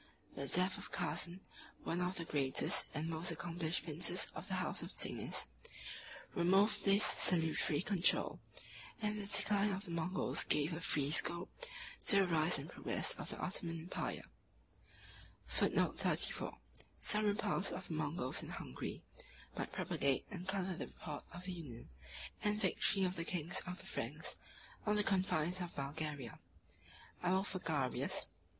The death of Cazan, 38 one of the greatest and most accomplished princes of the house of Zingis, removed this salutary control; and the decline of the Moguls gave a free scope to the rise and progress of the Ottoman Empire. 39 34 (return) [ Some repulse of the Moguls in Hungary (Matthew Paris, p. 545, 546) might propagate and color the report of the union and victory of the kings of the Franks on the confines of Bulgaria. Abulpharagius (Dynast. p.